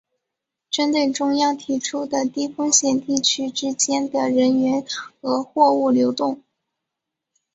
针对中央提出的低风险地区之间的人员和货物流动